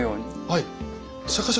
はい。